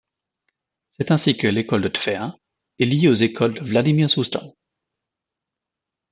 C'est ainsi que l'école de Tver est liée aux écoles de Vladimir-Souzdal.